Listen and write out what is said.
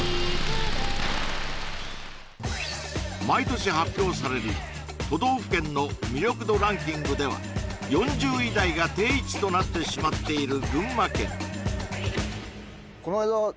毎年発表される都道府県の魅力度ランキングでは４０位台が定位置となってしまっている群馬県この間